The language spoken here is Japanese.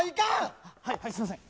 はいはいすいません！